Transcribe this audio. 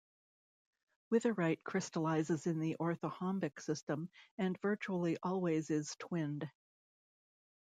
Witherite crystallizes in the orthorhombic system and virtually always is twinned.